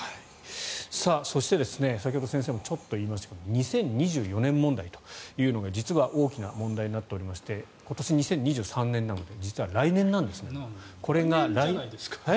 そして、先ほど先生もちょっと言いましたが２０２４年問題というのが実は大きな問題になっておりまして今年、２０２３年なので来年じゃないですか。